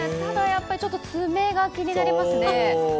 爪が気になりますね。